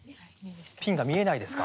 ピンが見えないですか？